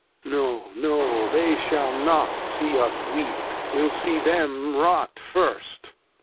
Lear. No, no, they shaU not see us weep. We'll see them rot first.